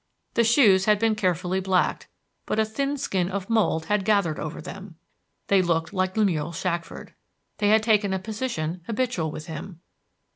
The shoes had been carefully blacked, but a thin skin of mould had gathered over them. They looked like Lemuel Shackford. They had taken a position habitual with him.